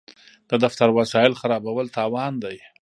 د دفتر وسایل خرابول تاوان دی.